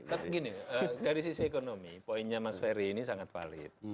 tapi gini dari sisi ekonomi poinnya mas ferry ini sangat valid